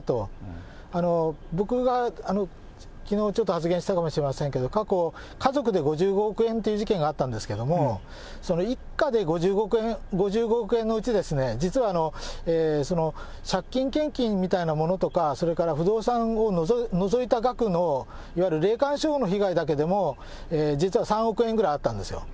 僕がきのうちょっと発言したかもしれませんけれども、過去、家族で５５億円という事件があったんですけれども、一家で５５億円のうち、実は借金献金みたいなものとか、それから不動産を除いた額のいわゆる霊感商法の被害だけでも、実は３億円ぐらいあったんですよ。